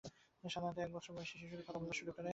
সাধারণত এক বৎসর বয়সেই শিশুরা কথা বলতে শুরু করে।